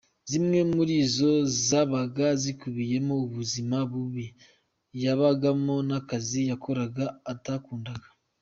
Zimwe muri zo zabaga zikubuyemo ubuzima bubi yabagamo n’akazi yakoraga atakundaga.